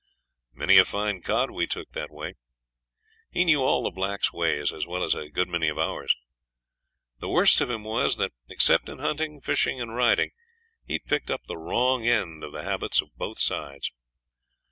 Many a fine cod we took that way. He knew all the blacks' ways as well as a good many of ours. The worst of him was that except in hunting, fishing, and riding he'd picked up the wrong end of the habits of both sides.